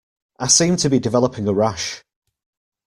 I seem to be developing a rash.